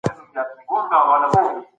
که ماشوم هڅول کېږي نو زړه نه ماتېږي.